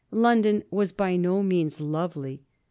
London was by no means lovely.